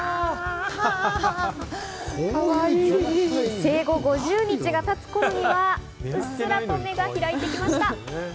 生後５０日がたつころにはうっすらと目が開いてきました。